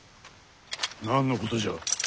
何のことじゃ。